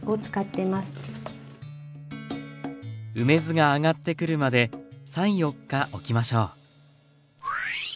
梅酢が上がってくるまで３４日おきましょう。